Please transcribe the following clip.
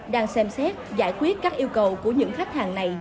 đang xem xét giải quyết các yêu cầu của những khách hàng này